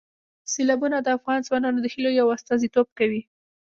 سیلابونه د افغان ځوانانو د هیلو یو استازیتوب کوي.